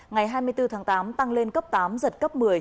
ngày hai mươi bốn tháng tám tăng lên cấp tám giật cấp một mươi